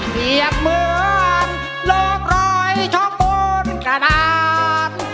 เหลียดเหมือนโลกรอยช่องโบนกระดาษ